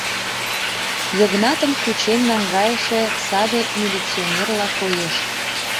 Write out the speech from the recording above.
Йыгнатым кучен наҥгайыше саде милиционерла коеш.